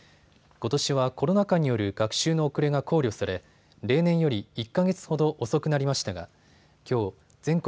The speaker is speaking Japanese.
ことしはコロナ禍による学習の遅れが考慮され例年より１か月ほど遅くなりましたがきょう全国